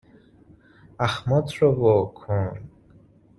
اخمات رو وا کن